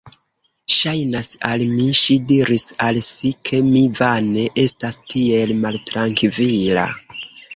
Ŝajnas al mi, ŝi diris al si, ke mi vane estas tiel maltrankvila.